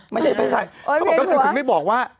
ก็จะดึงให้บอกว่า